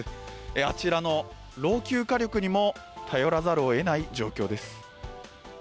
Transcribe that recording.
あちらの老朽火力にも頼らざるをえない状況です。